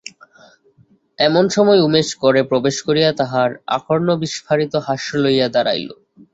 এমন সময় উমেশ ঘরে প্রবেশ করিয়া তাহার আকর্ণবিস্ফারিত হাস্য লইয়া দাঁড়াইল।